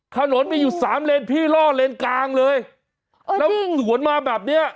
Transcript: ถนนมีอยู่สามเลนพี่ล่อเลนกลางเลยแล้วสวนมาแบบเนี้ย